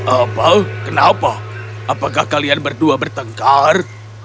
apa kenapa apakah kalian berdua bertengkar